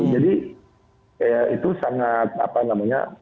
jadi itu sangat apa namanya